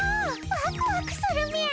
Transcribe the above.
ワクワクするみゃ！